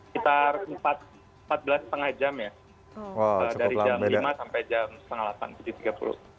kitar empat belas lima jam ya dari jam lima sampai jam tujuh tiga puluh